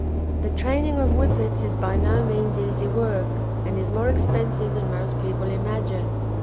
The training of Whippets is by no means easy work, and is more expensive than most people imagine.